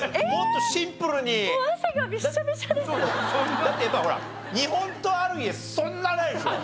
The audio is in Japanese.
だってやっぱりほら日本刀ある家そんなないでしょ？